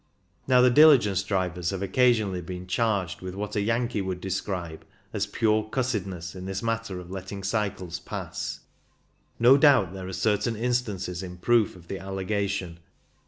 Now the diligence drivers have occasionally been charged with what a Yankee would describe as "pure cussedness" in this matter of letting cycles pass. No doubt there are certain instances in proof of the allegation.